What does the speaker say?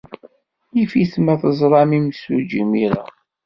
Yif-it ma teẓram imsujji imir-a.